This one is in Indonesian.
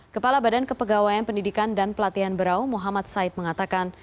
kepala badan kepegawaian pendidikan dan pelatihan berau muhammad said mengatakan